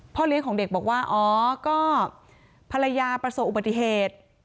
เลี้ยงของเด็กบอกว่าอ๋อก็ภรรยาประสบอุบัติเหตุ